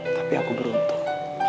tapi aku beruntung